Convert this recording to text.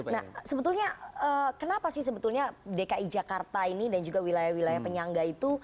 nah sebetulnya kenapa sih sebetulnya dki jakarta ini dan juga wilayah wilayah penyangga itu